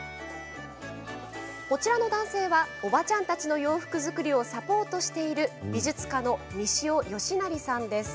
こちらの男性はおばちゃんたちの洋服作りをサポートしている美術家の西尾美也さんです。